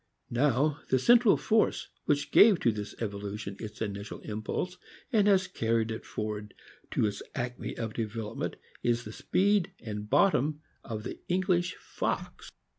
Now the central force which gave to this evolution its initial impulse, and has carried it for ward to its acme of development, is the speed and bottom of the English fox.